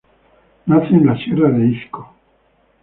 Nace en la Sierra de Izco.